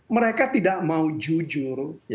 mereka tidak mau jujur